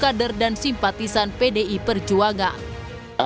kader dan simpatisan pdi perjuangan